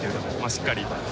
しっかり